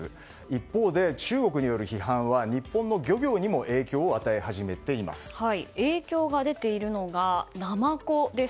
一方で、中国による批判は日本の漁業にも影響が出ているのがナマコです。